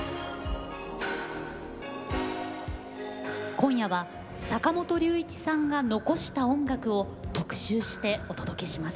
今夜は坂本龍一さんが残した音楽を特集してお届けします。